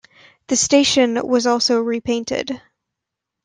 The station was also repainted.